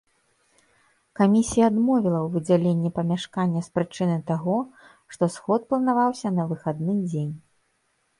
Камісія адмовіла ў выдзяленні памяшкання з прычыны таго, што сход планаваўся на выхадны дзень.